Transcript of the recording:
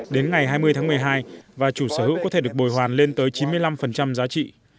đến ngày hai mươi tháng một mươi hai và chủ sở hữu có thể được bồi hoàn lên tới chín mươi năm giá trị